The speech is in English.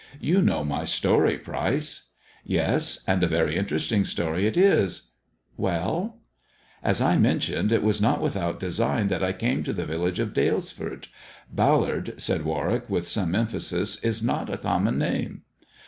You know my story, Pryce 1 "Yes. And a very interesting story it is I Well 1 "" As I mentioned, it was not without design that T came to the village of Dalesford. Ballard," said Warwick, with some emphasis, "is not a common name."